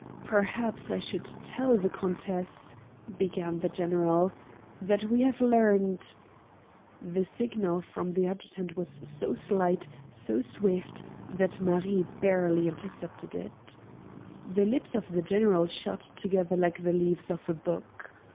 "Perhaps I should tell the countess," began the general, "that we have learned " The signal from the adjutant was so slight, so swift, that Marie barely intercepted it. The lips of the general shut together like the leaves of a book.